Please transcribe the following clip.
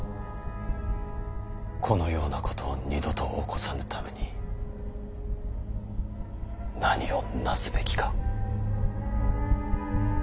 このようなことを二度と起こさぬために何をなすべきか。